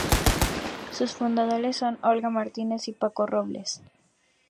Sus fundadores son Olga Martínez y Paco Robles.